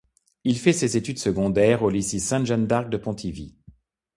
Il fait ses études secondaires au lycée Sainte Jeanne d’Arc de Pontivy.